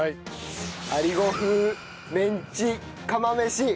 アリゴ風メンチ釜飯。